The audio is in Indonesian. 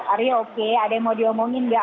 ari ya oke ada yang mau diomongin gak